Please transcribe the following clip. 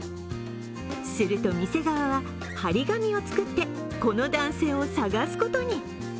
すると店側は、貼り紙を作ってこの男性を探すことに。